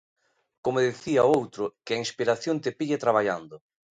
Como dicía o outro: que a inspiración te pille traballando.